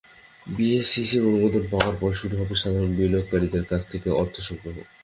বিএসইসির অনুমোদন পাওয়ার পর শুরু হবে সাধারণ বিনিয়োগকারীদের কাছ থেকে অর্থ সংগ্রহ।